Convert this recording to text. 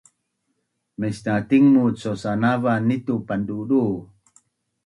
Mesna tingmut sosanavan ni tu pandudu